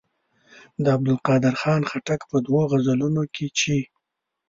د عبدالقادر خان خټک په دوو غزلونو کې چې.